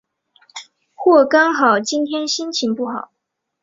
或刚好今天心情不好？